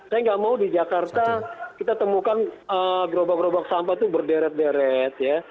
saya nggak mau di jakarta kita temukan gerobak gerobak sampah itu berderet deret ya